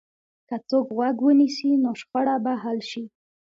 که څوک غوږ ونیسي، نو شخړه به حل شي.